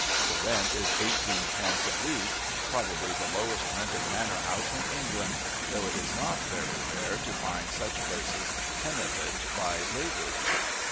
The rent is eighteen pence a week probably the lowest rented manor house in England, though it is not very rare to find such places tenanted by labourers.